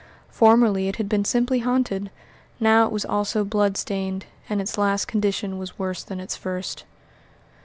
Formerly it had been simply haunted, now it was also blood stained, and its last condition was worse than its first.